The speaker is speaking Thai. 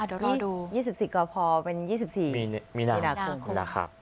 อ่ารอรอดูมี๒๔กราภาพมีนาคมมีนาคมนะครับ